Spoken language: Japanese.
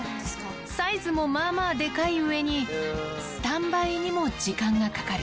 サイズもまあまあでかい上に、スタンバイにも時間がかかる。